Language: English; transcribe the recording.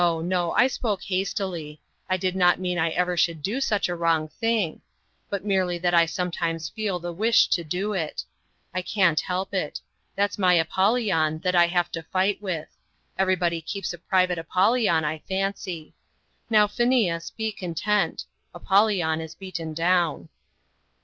no! I spoke hastily. I did not mean I ever should do such a wrong thing; but merely that I sometimes feel the wish to do it. I can't help it; it's my Apollyon that I have to fight with everybody keeps a private Apollyon, I fancy. Now, Phineas, be content; Apollyon is beaten down."